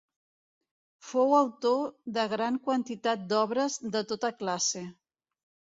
Fou autor de gran quantitat d'obres de tota classe.